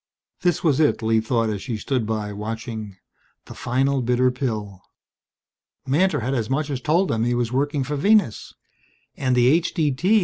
This was it, Lee thought as she stood by, watching the final bitter pill. Mantor had as much as told them he was working for Venus. And the H.D.T.